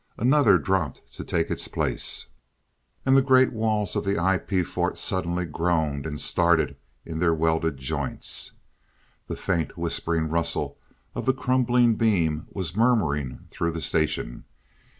Another dropped to take its place And the great walls of the IP fort suddenly groaned and started in their welded joints. The faint, whispering rustle of the crumbling beam was murmuring through the station.